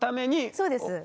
そうです。